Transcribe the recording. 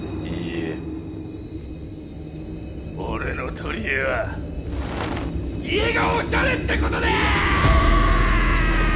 俺のとりえは家がおしゃれってことだ！！